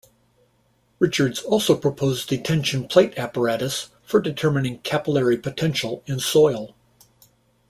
Richards also proposed the tension plate apparatus for determining capillary potential in soil.